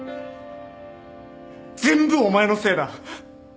全部お前のせいだ